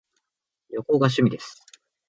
旅行が趣味です